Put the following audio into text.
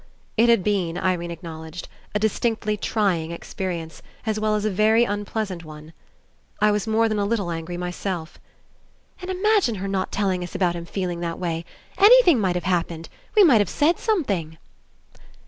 It had been, Irene acknowledged, a dis tinctly trying experience, as well as a very un pleasant one. "I was more than a little angry myself." "And imagine her not telling us about him feeling that way ! Anything might have happened. We might have said something."